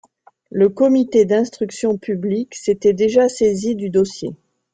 Le comité d'instruction publique s'était déjà saisi du dossier.